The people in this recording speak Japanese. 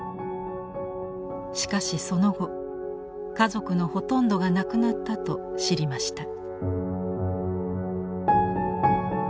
しかしその後家族のほとんどが亡くなったと知りました。